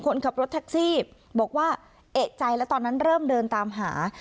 คนขับรถแท็กซี่บอกว่าเอกใจแล้วตอนนั้นเริ่มเดินตามหา